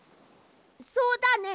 そうだね！